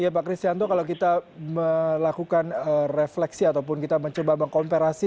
ya pak kristianto kalau kita melakukan refleksi ataupun kita mencoba mengkomparasi